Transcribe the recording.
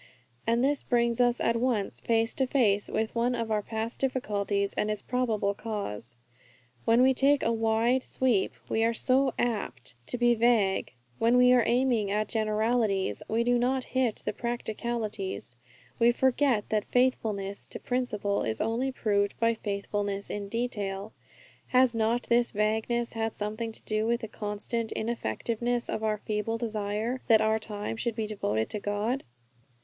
And this brings us at once face to face with one of our past difficulties, and its probable cause. When we take a wide sweep, we are so apt to be vague. When we are aiming at generalities we do not hit the practicalities. We forget that faithfulness to principle is only proved by faithfulness in detail. Has not this vagueness had something to do with the constant ineffectiveness of our feeble desire that our time should be devoted to God?